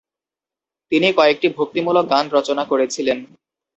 তিনি কয়েকটি ভক্তিমূলক গান রচনা করেছিলেন।